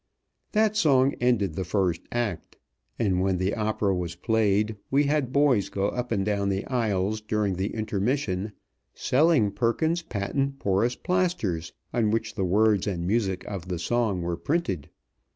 That song ended the first act; and when the opera was played, we had boys go up and down the aisles during the intermission selling Perkins's Patent Porous Plasters, on which the words and music of the song were printed.